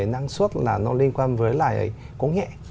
năng suất là nó liên quan với công nghệ